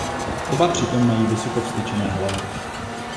Oba při tom mají vysoko vztyčené hlavy.